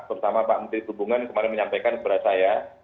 terutama pak menteri hubungan kemarin menyampaikan kepada saya